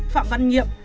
phạm văn nhiệm